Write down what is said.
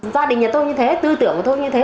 gia đình nhà tôi như thế tư tưởng của tôi như thế